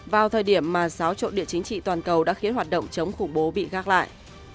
vào thời điểm mà xáo trộn địa chính trị toàn cầu đã khiến hoạt động chống khủng bố bị gác lại